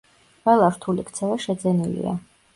ყველა რთული ქცევა შეძენილია.